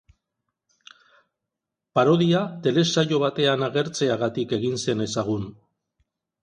Parodia telesaio batean agertzeagatik egin zen ezagun.